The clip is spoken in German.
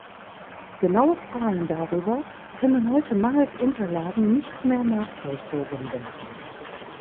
Genaue Zahlen darüber können heute mangels Unterlagen nicht mehr nachvollzogen werden.